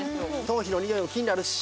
頭皮のにおいも気になるし。